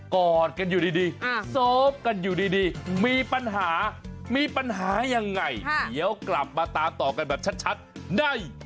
อดกันอยู่ดีโซฟกันอยู่ดีมีปัญหามีปัญหายังไงเดี๋ยวกลับมาตามต่อกันแบบชัดได้